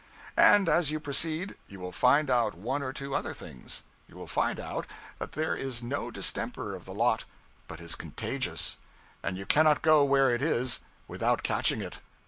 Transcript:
And as you proceed, you will find out one or two other things. You will find out that there is no distemper of the lot but is contagious; and you cannot go where it is without catching it.